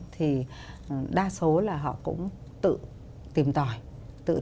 thì đa số là họ cũng tự tìm ra những cái công trình xây dựng của nhà ở của người dân